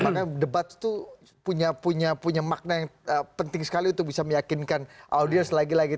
makanya debat itu punya makna yang penting sekali untuk bisa meyakinkan audiens lagi lagi